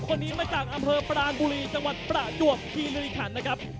คนนี้มาจากอำเภอปรานบุรีจังหวัดประจวบคีริขันนะครับ